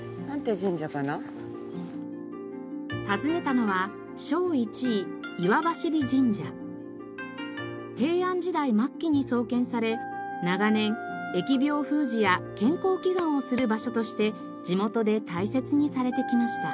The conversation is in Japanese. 訪ねたのは平安時代末期に創建され長年疫病封じや健康祈願をする場所として地元で大切にされてきました。